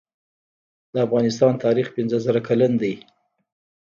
د افغانستان تاریخ پنځه زره کلن دی